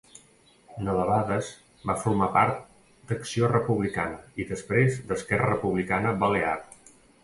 No debades va formar part d'Acció Republicana i després d'Esquerra Republicana Balear.